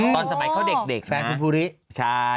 ตอนสมัยเขาเด็กนะ